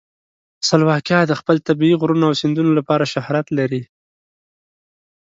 سلواکیا د خپل طبیعي غرونو او سیندونو لپاره شهرت لري.